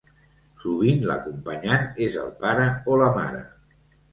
Sovint l'acompanyant és el pare o la mare.